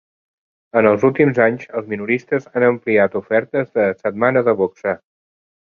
En els últims anys, els minoristes han ampliat ofertes de "setmana de boxa".